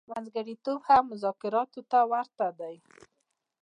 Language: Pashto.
منځګړتوب هم مذاکراتو ته ورته دی.